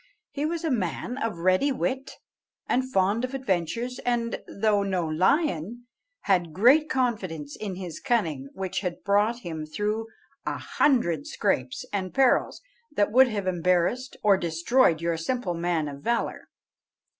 He was a man of ready wit, and fond of adventures, and, though no lion, had great confidence in his cunning, which had brought him through a hundred scrapes and perils that would have embarrassed or destroyed your simple man of valour.